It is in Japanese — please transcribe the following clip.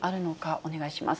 お願いします。